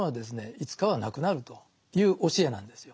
いつかはなくなるという教えなんですよ。